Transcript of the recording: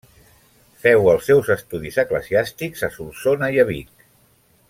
Feu els seus estudis eclesiàstics a Solsona i a Vic.